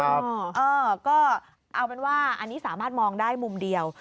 เออก็เอาเป็นว่าอันนี้สามารถมองได้มุมเดียว